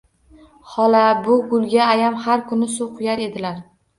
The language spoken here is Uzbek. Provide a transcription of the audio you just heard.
Xola, bu gulga ayam har kuni suv quyar edilar.